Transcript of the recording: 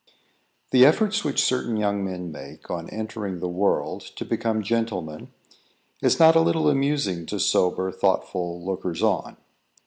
THE efforts which certain young men make, on entering the world, to become gentlemen, is not a little amusing to sober, thoughtful lookers on.